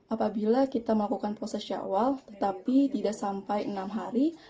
apabila kita melakukan proses syawal tetapi tidak sampai enam hari